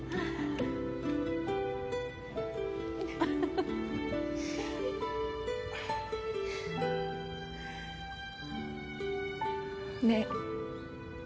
フフフ。ねえ。